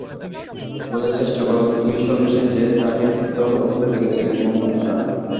বুঝার চেষ্টা কর, তুইই সর্বশেষ যে তাকে সুস্থ অবস্থায় দেখেছে কোন নেশা?